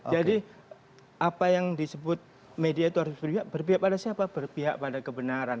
jadi apa yang disebut media itu harus berpihak berpihak pada siapa berpihak pada kebenaran